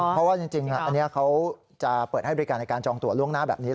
เพราะว่าจริงอันนี้เขาจะเปิดให้บริการในการจองตัวล่วงหน้าแบบนี้